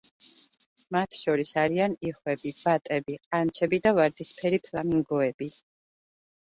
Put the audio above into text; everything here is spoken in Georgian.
მათ შორის არიან იხვები, ბატები, ყანჩები და ვარდისფერი ფლამინგოები.